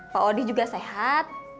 pak odi juga sehat